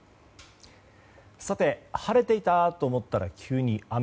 晴れていたと思ったら急に雨。